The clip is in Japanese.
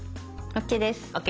ＯＫです。